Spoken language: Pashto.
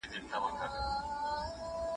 زه به څه وایم، چې روسته ستا له تلو نه